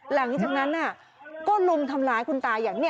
หลังจากนั้นก็ลุมทำร้ายคุณตาอย่างนี้